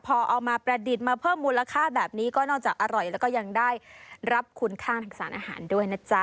พอเอามาประดิษฐ์มาเพิ่มมูลค่าแบบนี้ก็นอกจากอร่อยแล้วก็ยังได้รับคุณค่าทางสารอาหารด้วยนะจ๊ะ